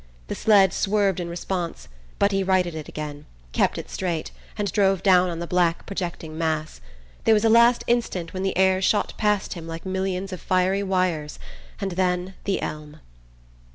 The sled swerved in response, but he righted it again, kept it straight, and drove down on the black projecting mass. There was a last instant when the air shot past him like millions of fiery wires; and then the elm...